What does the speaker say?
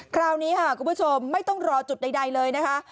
คราวนี้ค่ะคุณผู้ชมไม่ต้องรอจุดใดเลยนะคะ